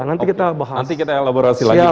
nanti kita bahas